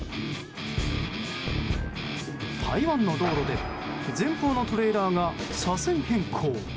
台湾の道路で前方のトレーラーが車線変更。